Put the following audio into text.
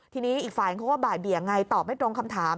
ทีนี้อีกฝ่ายเขาก็บ่ายเบียงไงตอบไม่ตรงคำถาม